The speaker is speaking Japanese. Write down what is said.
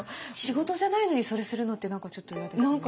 仕事じゃないのにそれするのって何かちょっと嫌ですね。